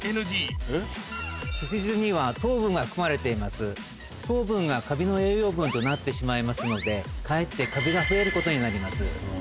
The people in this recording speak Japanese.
酢は酢でも糖分がカビの栄養分となってしまいますのでかえってカビが増えることになります。